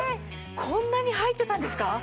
こんなに入ってたんですか？